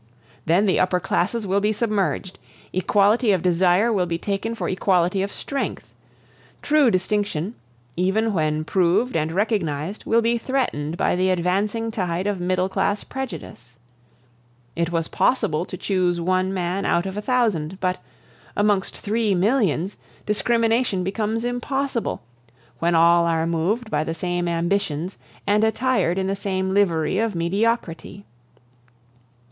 Then the upper classes will be submerged; equality of desire will be taken for equality of strength; true distinction, even when proved and recognized, will be threatened by the advancing tide of middle class prejudice. It was possible to choose one man out of a thousand, but, amongst three millions, discrimination becomes impossible, when all are moved by the same ambitions and attired in the same livery of mediocrity.